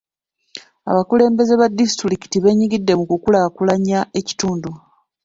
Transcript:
Abakulembeze ba disitulikiti beenyigidde mu kukulaakulanya ekitundu.